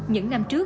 những năm trước